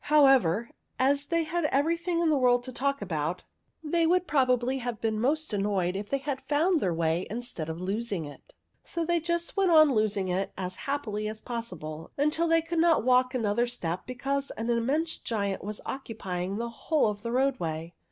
However, as they had everything in the world to talk about, they would probably have been most annoyed if they had found their way instead of losing it ; so they just went on losing it as happily as possible, until they could not walk another step because an immense giant was occupying the whole of the roadway.